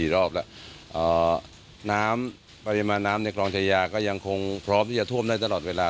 น้ำปริมาณน้ำในคลองชายาก็ยังคงพร้อมที่จะท่วมได้ตลอดเวลา